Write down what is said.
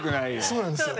そうなんですよ。